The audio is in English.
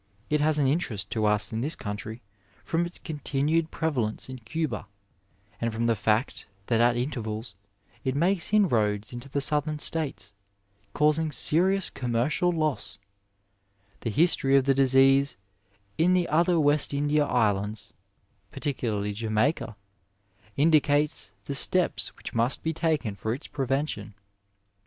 It has an interest to us in this country from its continued prevalence in Cuba, and from the fact that at intervals it makes inroads into the Southern States, causing serious commercial loss. The history of the disease in the other West India islands, particularly Jamaica, indicates 255 Digitized by VjOOQiC MEDICINE m THE NINETEENTH CENTURY the steps which must be taken for its prevention.